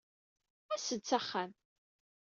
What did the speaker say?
As-d s axxam.